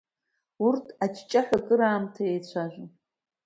Урҭ аҷҷаҳәа, акраамҭа иеицәажәон.